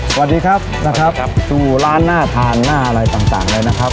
สวัสดีครับสู่ร้านหน้าทานหน้าอะไรต่างเลยนะครับสวัสดีครับสู่ร้านหน้าทานหน้าอะไรต่างเลยนะครับ